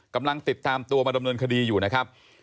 กำลังติดตามตัวมาดำเนินคดีอยู่นะครับ